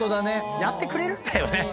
やってくれるんだよね。